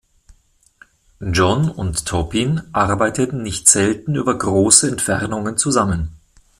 John und Taupin arbeiteten nicht selten über große Entfernungen zusammen.